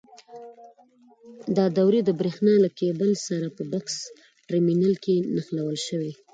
دا دورې د برېښنا له کېبل سره په بکس ټرمینل کې نښلول شوي.